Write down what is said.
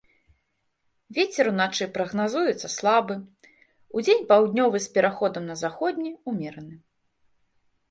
Вецер уначы прагназуецца слабы, удзень паўднёвы з пераходам на заходні, умераны.